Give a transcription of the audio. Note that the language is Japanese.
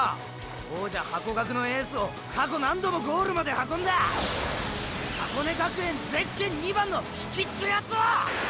王者ハコガクのエースを過去何度もゴールまで運んだ箱根学園ゼッケン２番の引きってやつを！